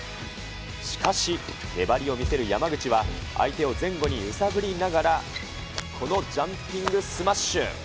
しかし、粘りを見せる山口は、相手を前後に揺さぶりながら、このジャンピングスマッシュ。